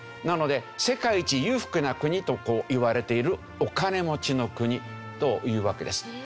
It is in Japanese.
なので世界一裕福な国といわれているお金持ちの国というわけです。